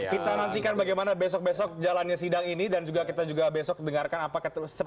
kita nantikan bagaimana besok besok jalannya sidang ini dan juga kita juga besok dengarkan apakah